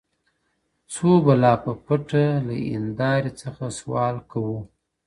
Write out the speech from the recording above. • څو به لا په پټه له هینداري څخه سوال کوو -